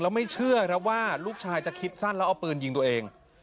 แล้วไม่เชื่อครับว่าลูกชายจะคิดสั้นแล้วเอาปืนยิงตัวเอง